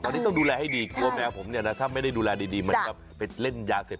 ตอนนี้ต้องดูแลให้ดีกลัวแมวผมเนี่ยนะถ้าไม่ได้ดูแลดีมันจะไปเล่นยาเสพ